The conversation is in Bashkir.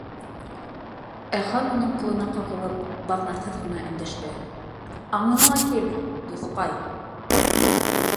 Ә Хан уның ҡулына ҡағылып, баҙнатһыҙ ғына өндәште: —Аңыңа кил, дуҫҡай!